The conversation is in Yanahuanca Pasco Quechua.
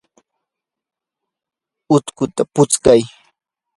utkuta putskay.